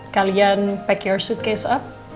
kalian pack your suitcase up